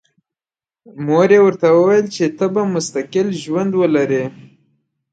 مور یې ورته وویل چې ته به مستقل ژوند ولرې